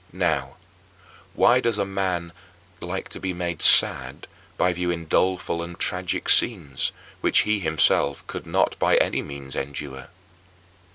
Now, why does a man like to be made sad by viewing doleful and tragic scenes, which he himself could not by any means endure?